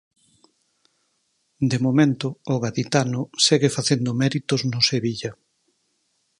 De momento o gaditano segue facendo méritos no Sevilla.